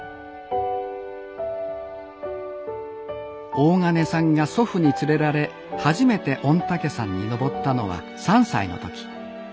大鐘さんが祖父に連れられ初めて御嶽山に登ったのは３歳の時。